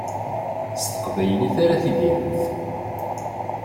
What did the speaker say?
S teqbaylit ara tidiremt.